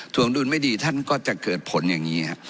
วงดุลไม่ดีท่านก็จะเกิดผลอย่างนี้ครับ